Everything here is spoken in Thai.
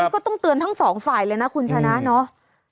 ก็ต้องเตือนทั้งสองฝ่ายเลยนะคุณชนะเนาะ